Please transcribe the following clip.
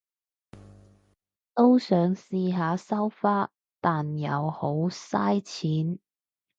都想試下收花，但又好晒錢